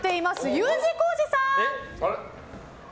Ｕ字工事さん！